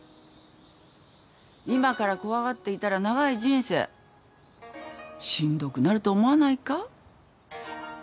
今から怖がっていたら長い人生しんどくなると思わないか？